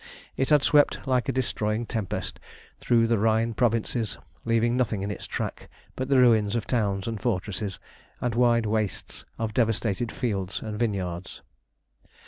It had swept like a destroying tempest through the Rhine Provinces, leaving nothing in its track but the ruins of towns and fortresses, and wide wastes of devastated fields and vineyards.